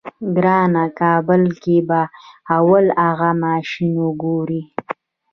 ګرانه کابل کې به اول اغه ماشين وګورې.